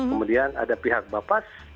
kemudian ada pihak bapas